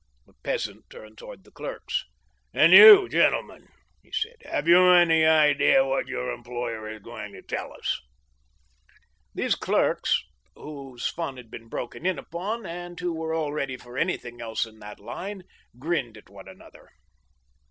The peasant turned toward the clerks. " And you, gentlemen," 4ie said, have you any idea what your employer is going to tell us ?" The clerks, whose fun had been broken in upon, but who were all ready for anything else in that line, ginned at one another.